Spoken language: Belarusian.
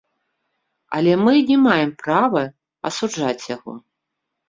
Але мы не маем права асуджаць яго.